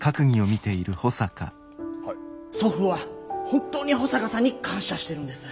祖父は本当に保坂さんに感謝してるんです。